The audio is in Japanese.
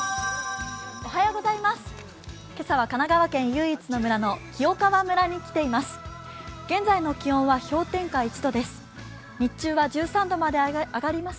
今朝は神奈川県唯一の村の清川村に来ています。